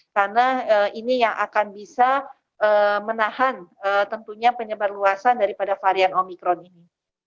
karena ini yang akan bisa menahan tentunya penyebar luasan daripada varian omikron ini